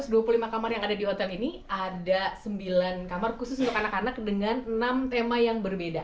dari dua puluh lima kamar yang ada di hotel ini ada sembilan kamar khusus untuk anak anak dengan enam tema yang berbeda